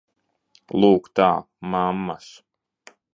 Lūk tā, mammas!